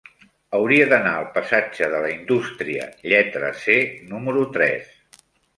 Hauria d'anar al passatge de la Indústria lletra C número tres.